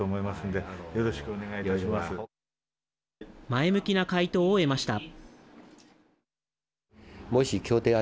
前向きな回答を得ました。